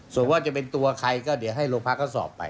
ส่วนว่าจะเป็นตัวใครก็เดี๋ยวให้โรงพักก็สอบไป